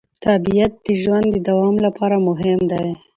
طبیعت د ژوند د دوام لپاره مهم دی